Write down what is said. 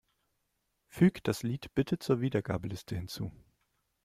Füg das Lied bitte zur Wiedergabeliste hinzu.